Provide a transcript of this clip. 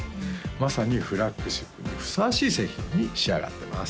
まさにフラッグシップにふさわしい製品に仕上がってます